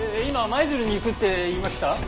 今舞鶴に行くって言いました？